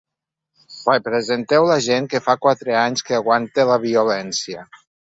Representeu la gent que fa quatre anys que aguanta la violència.